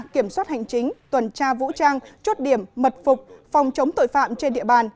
kiểm soát hành chính tuần tra vũ trang chốt điểm mật phục phòng chống tội phạm trên địa bàn